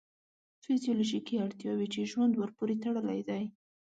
فیزیولوژیکې اړتیاوې چې ژوند ورپورې تړلی دی.